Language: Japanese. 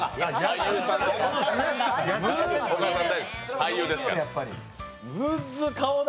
俳優ですから。